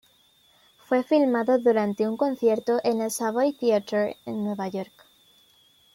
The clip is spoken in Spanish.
Fue filmado durante un concierto en el Savoy Theatre en Nueva York.